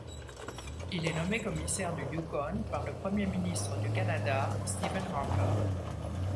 Il est nommé commissaire du Yukon par le premier ministre du Canada Stephen Harper.